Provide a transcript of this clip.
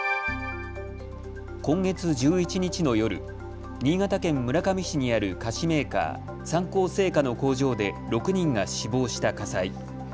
今月１１日の夜、新潟県村上市にある菓子メーカー、三幸製菓の工場で６人が死亡した火災。